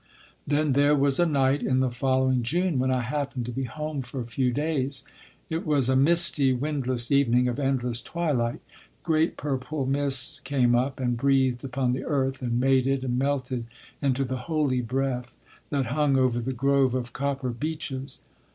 Then there was a night in the following June when I happened to be home for a few days. It was a misty windless evening of endless twilight. Great purple mists came up and breathed upon the earth and mated and melted into the holy breath that hung over the grove of copper beeches....